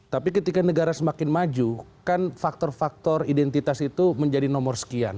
tapi ketika negara semakin maju kan faktor faktor identitas itu menjadi nomor sekian